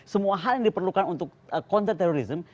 semua hal yang diperlukan untuk konten terorisme